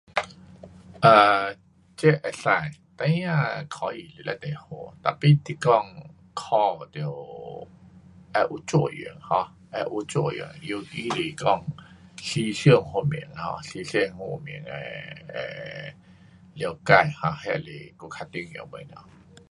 啊，这可以，孩儿考书非常好，tapi 你讲考得要有作用 um 要有作用，尤其是讲思想方面 um 思想方面的，的了解哈，那是更加重要东西。